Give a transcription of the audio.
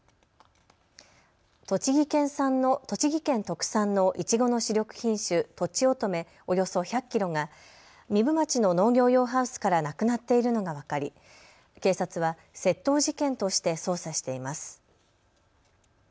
栃木県特産のいちごの主力品種とちおとめ、およそ１００キロが壬生町の農業用ハウスからなくなっているのが分かり警察は窃盗事件として捜査しています。